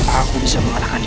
aku bisa mengalahkan